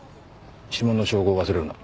指紋の照合を忘れるな。